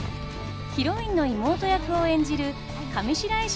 ヒロインの妹役を演じる上白石